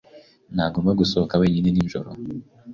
Ntagomba gusohoka wenyine wenyine nijoro.